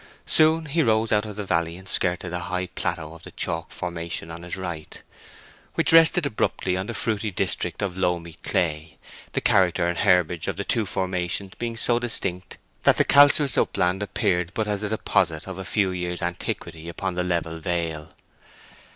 Soon he rose out of the valley, and skirted a high plateau of the chalk formation on his right, which rested abruptly upon the fruity district of loamy clay, the character and herbage of the two formations being so distinct that the calcareous upland appeared but as a deposit of a few years' antiquity upon the level vale.